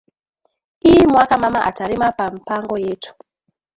Iyi mwaka mama ata rima pa mpango yetu